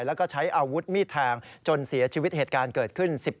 แล้วก็ใช้อาวุธมีดแทงจนเสียชีวิตเหตุการณ์เกิดขึ้น